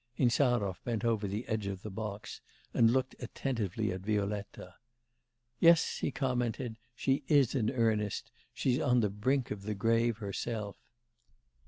Insarov bent over the edge of the box, and looked attentively at Violetta. 'Yes,' he commented, 'she is in earnest; she's on the brink of the grave herself.